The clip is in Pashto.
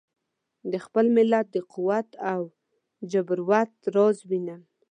د خپل ملت د قوت او جبروت راز وینم.